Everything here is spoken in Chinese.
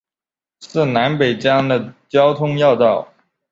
是南北疆的交通要道。